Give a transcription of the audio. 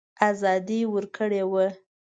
آزادي ورکړې وه.